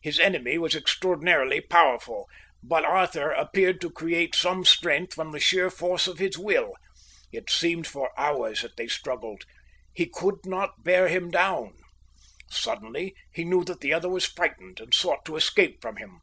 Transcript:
His enemy was extraordinarily powerful, but Arthur appeared to create some strength from the sheer force of his will. It seemed for hours that they struggled. He could not bear him down. Suddenly, he knew that the other was frightened and sought to escape from him.